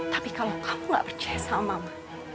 tapi kalau kamu gak percaya sama mama